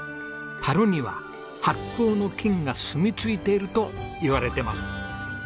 樽には「発酵の菌がすみ着いている」といわれてます。